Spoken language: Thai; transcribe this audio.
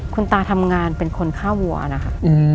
คุณตาทำงานเป็นคนฆ่าวัวนะคะ